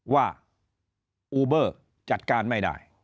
ว่าอูเบอร์จัดการไม่ได้